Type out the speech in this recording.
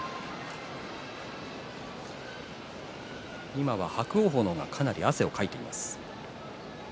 今は伯桜鵬の方がかなり汗をかいています。